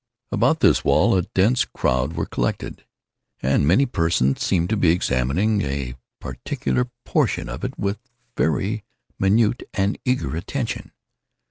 About this wall a dense crowd were collected, and many persons seemed to be examining a particular portion of it with very minute and eager attention.